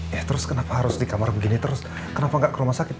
ya terus kenapa harus di kamar begini terus kenapa nggak ke rumah sakit